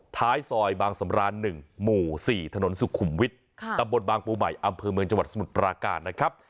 ท้ายซอยบางสำราน๑หมู่๔ถนนสุขุมวิทย์ตำบลบางปูใหม่อำเภอเมืองจังหวัดสมุทรปราการนะครับ